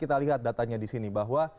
kita lihat datanya di sini bahwa